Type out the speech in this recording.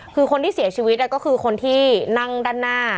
คือคนที่เสียชีวิตก็คือคนที่นั่งด้านหน้า